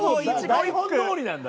台本どおりなんだ。